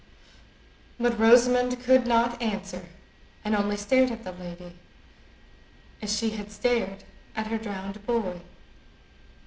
But Rosamond could not answer, and only stared at the lady, as she had before stared at her drowned boy.